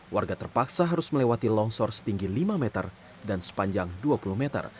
warga terpaksa harus melewati longsor setinggi lima meter dan sepanjang dua puluh meter